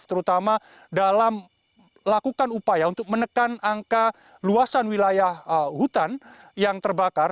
terutama dalam lakukan upaya untuk menekan angka luasan wilayah hutan yang terbakar